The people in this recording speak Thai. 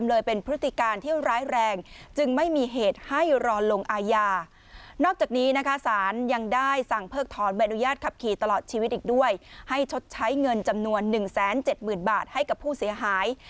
และอนุญาตขับขี่ตลอดชีวิตอีกด้วยให้ชดใช้เงินจำนวน๑๗๐๐๐๐บาทให้กับผู้เสียหาย